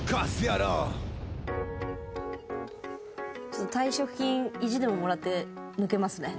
ちょっと退職金意地でももらって抜けますね。